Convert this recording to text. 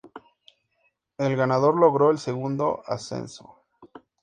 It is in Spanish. El ganador logró el segundo ascenso.